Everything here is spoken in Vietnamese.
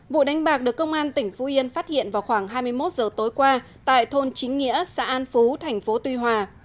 vụ đánh bạc được công an tỉnh phú yên phát hiện vào khoảng hai mươi một giờ tối qua tại thôn chính nghĩa xã an phú tp tuy hòa